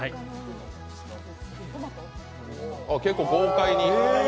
結構、豪快に。